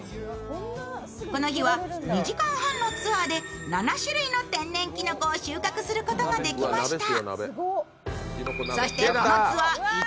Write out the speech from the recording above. この日は２時間半のツアーで７種類の天然きのこを収穫することができました。